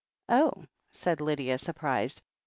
"Oh!" said Lydia, surprised.